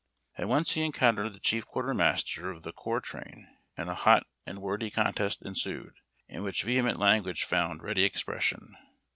At once he encountered the chief quartermaster of tlie corps train, and a hot and wordy contest ensued, in which vehement language found ready expression.